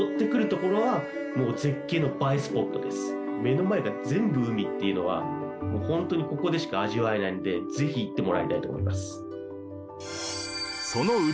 目の前が全部海っていうのはもうホントにここでしか味わえないんでぜひ行ってもらいたいと思います。